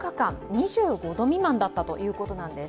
２５度未満だったということなんです。